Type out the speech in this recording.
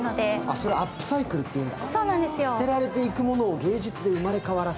それがアップサイクルっていうんだ。